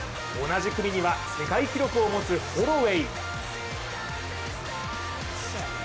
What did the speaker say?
同じ組には世界記録を持つホロウェイ。